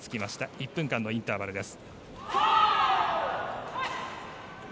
１分間のインターバルです。